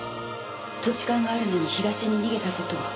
土地勘があるのに東に逃げた事。